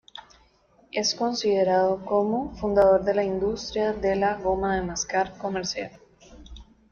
Es considerado como fundador de la industria de la goma de mascar comercial.